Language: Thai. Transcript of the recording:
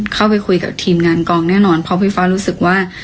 เข้าไปคุยกับทีมงานกองแน่นอนเพราะพี่ฟ้ารู้สึกว่า